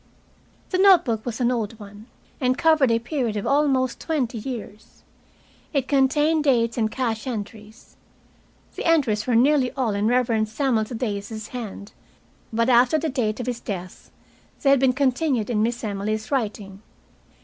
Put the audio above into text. The note book was an old one, and covered a period of almost twenty years. It contained dates and cash entries. The entries were nearly all in the Reverend Samuel Thaddeus's hand, but after the date of his death they had been continued in Miss Emily's writing.